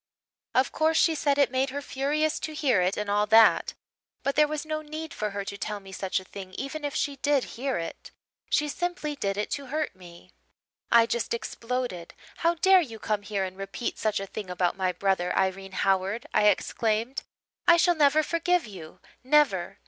Of course, she said it made her furious to hear it and all that but there was no need for her to tell me such a thing even if she did hear it. She simply did it to hurt me. "I just exploded. 'How dare you come here and repeat such a thing about my brother, Irene Howard?' I exclaimed. 'I shall never forgive you never.